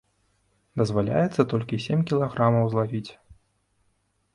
Дазваляецца толькі сем кілаграмаў злавіць.